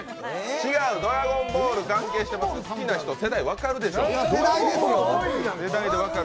違う、「ドラゴンボール」に関係してる、好きな人わかるでしょ。